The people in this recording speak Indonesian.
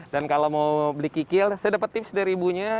dan kalau mau beli kikil saya dapet tips dari ibunya